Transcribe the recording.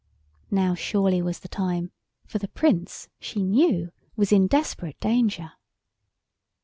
Now surely was the time, for the Prince, she knew, was in desperate danger.